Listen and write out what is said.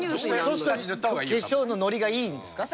そうすると化粧ののりがいいんですか？